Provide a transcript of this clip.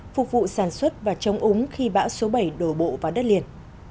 phục vụ sản xuất và chống úng khi bão số bảy đổ bộ vào đất liền